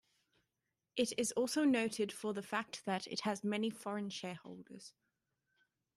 It is also noted for the fact that it has many foreign shareholders.